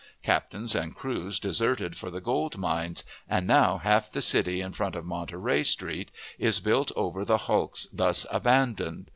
Captains and crews deserted for the gold mines, and now half the city in front of Montgomery Street is built over the hulks thus abandoned.